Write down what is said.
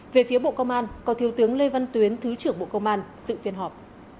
về phía bộ công an có thiếu tướng lê văn tuyến thứ trưởng bộ công an sự phiên họp